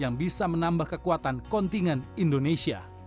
yang bisa menambah kekuatan kontingen indonesia